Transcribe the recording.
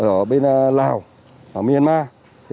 ở bên lào ở myanmar